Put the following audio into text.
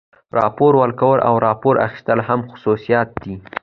راپور ورکول او راپور اخیستل هم خصوصیات دي.